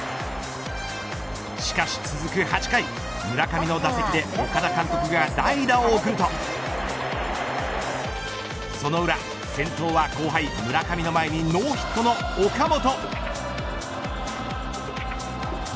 しかし、続く８回村上の打席で岡田監督が代打を送るとその裏、先頭は後輩、村上の前にノーヒットの岡本。